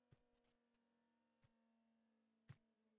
Bugungi qahramonliklar sheʼru qoʻshiqlarga solindi